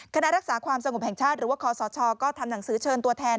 คณะรักษาความสงบแห่งชาติหรือว่าคอสชก็ทำหนังสือเชิญตัวแทน